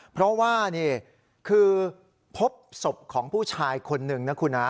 เพราะว่านี่คือพบศพของผู้ชายคนหนึ่งนะคุณฮะ